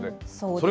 そう。